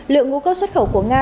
lượng ngũ cốc xuất khẩu của nga